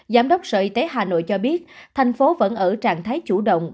giám đốc sở y tế hà nội cho biết thành phố vẫn ở trạng thái chủ động